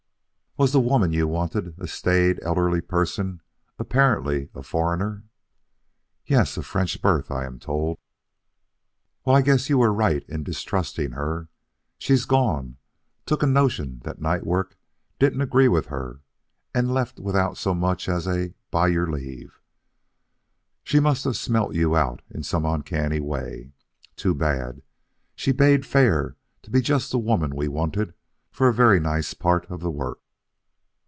"Was the woman you wanted a staid, elderly person, apparently a foreigner?" "Yes of French birth, I am told." "Well, I guess you were all right in distrusting her. She's gone took a notion that night work didn't agree with her and left without so much as a 'By your leave!' She must have smelt you out in some uncanny way. Too bad! She bade fair to be just the woman we wanted for a very nice part of the work."